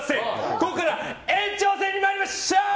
ここから延長戦に参りましょう！